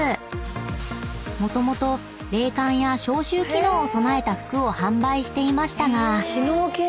［もともと冷感や消臭機能を備えた服を販売していましたが］